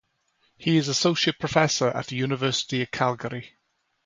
He is Associate Professor at the University of Calgary.